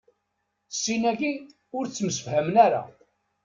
Sin-agi ur ttemsefhamen ara.